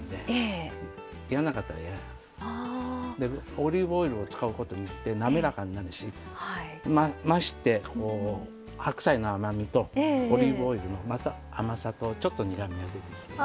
オリーブオイルを使うことによって滑らかになるしまして白菜の甘みとオリーブオイルのまた甘さとちょっと苦みが出てきて。